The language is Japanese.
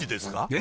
え？